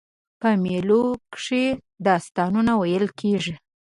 په مېلو کښي داستانونه ویل کېږي.